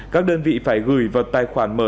các đơn vị phải gửi vào tài khoản mở